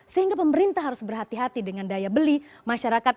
sehingga pemerintah harus berhati hati dengan daya beli masyarakat